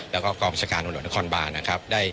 แล้วก็กองจัดการองรวจนครบาลนะครับ